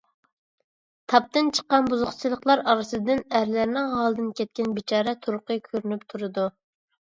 تاپتىن چىققان بۇزۇقچىلىقلار ئارىسىدىن ئەرلەرنىڭ ھالىدىن كەتكەن بىچارە تۇرقى كۆرۈنۈپ تۇرىدۇ.